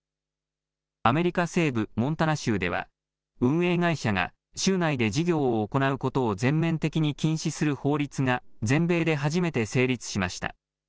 アメリカ西部モンタナ州では運営会社が州内で事業を行うことを全面的に禁止する法律が全米で初めて成立しました。